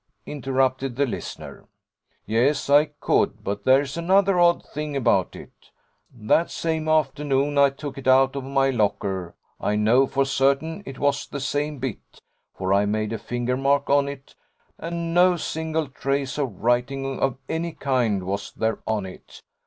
interrupted the listener. 'Yes, I could: but there's another odd thing about it. That same afternoon I took it out of my locker I know for certain it was the same bit, for I made a finger mark on it and no single trace of writing of any kind was there on it.